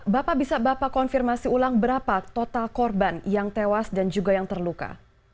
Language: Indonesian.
bapak bisa bapak konfirmasi ulang berapa total korban yang tewas dan juga yang terluka